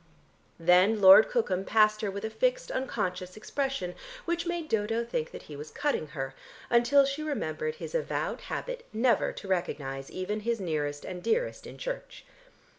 Then Lord Cookham passed her with a fixed unconscious expression, which made Dodo think that he was cutting her until she remembered his avowed habit never to recognise even his nearest and dearest in church.